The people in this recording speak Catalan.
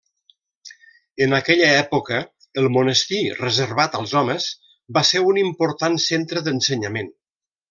En aquella època, el monestir, reservat als homes, va ser un important centre d'ensenyament.